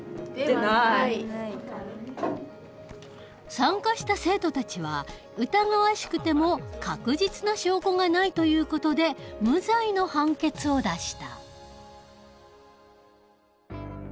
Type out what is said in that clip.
参加した生徒たちは疑わしくても確実な証拠がないという事で無罪の判決を出した。